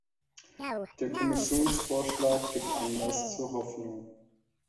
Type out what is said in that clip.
Der Kommissionsvorschlag gibt Anlass zu Hoffnung.